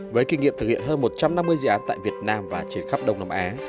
với kinh nghiệm thực hiện hơn một trăm năm mươi dự án tại việt nam và trên khắp đông nam á